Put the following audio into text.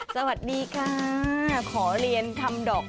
สวัสดีค่ะขอเรียนทำดอก